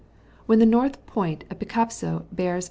17 When the north point of Biskopsoe bears S.